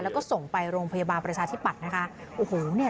แล้วก็ส่งไปโรงพยาบาลปริศาสตร์ที่ปัดนะคะโอ้โหเนี่ย